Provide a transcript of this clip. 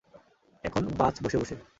এখন বাছ বসে বসে।